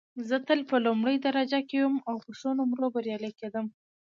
زه تل په لومړۍ درجه کې وم او په ښو نومرو بریالۍ کېدم